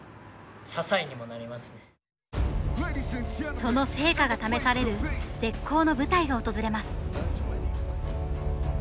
その成果が試される絶好の舞台が訪れます。